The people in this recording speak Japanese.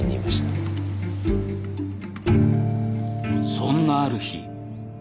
そんなある日。